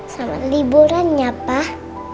selamat liburan ya pak